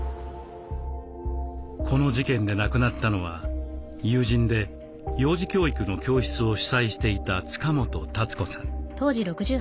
この事件で亡くなったのは友人で幼児教育の教室を主宰していた塚本達子さん。